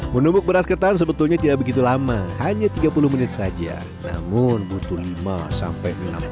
menumbuk beras ketan sebetulnya tidak begitu lama hanya tiga puluh menit saja namun butuh lima sampai enam puluh menit